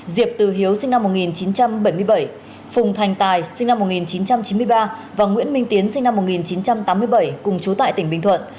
diệp từ hiếu sinh năm một nghìn chín trăm bảy mươi bảy phùng thành tài sinh năm một nghìn chín trăm chín mươi ba và nguyễn minh tiến sinh năm một nghìn chín trăm tám mươi bảy cùng chú tại tỉnh bình thuận